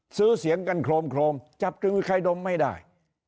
ซื้อเสียงกันโครมจับกลุ่มใครดมไม่ได้